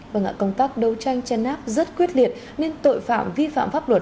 vâng ạ công tác đấu tranh chăn náp rất quyết liệt nên tội phạm vi phạm pháp luật